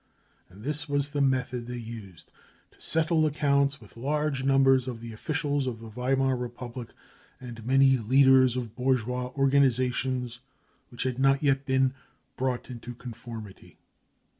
And this was the method they used to settle accounts with large numbers of the officials of the Weimar Republic and many leaders of bourgeois organisa tions which had not yet been 44 brought into conformity.